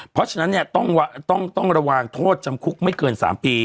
เพราะฉะนั้นเนี้ยต้องว่าต้องต้องระวังทดจำคุกไม่เกินสามปี